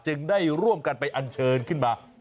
ได้ร่วมกันไปอันเชิญขึ้นมา